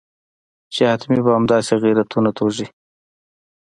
چې حتمي به همداسې غیرتونه توږي.